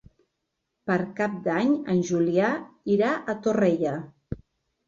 Per Cap d'Any en Julià irà a Torrella.